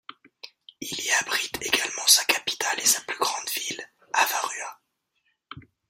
Il y abrite également sa capitale et plus grande ville: Avarua.